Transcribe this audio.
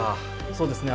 そうですね。